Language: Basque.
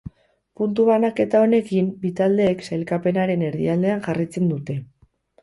Puntu banaketa honekin, bi taldeek sailkapenaren erdialdean jarraitzen dute.